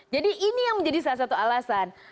jadi ini yang menjadi salah satu alasan